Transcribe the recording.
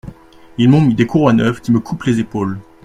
Ils m’ont mis des courroies neuves qui me coupent les épaules.